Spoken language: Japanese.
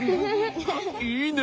いいね！